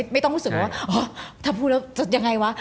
ไม่ต้องรู้สึกว่าถ้าพูดแล้วจะยังไงวะ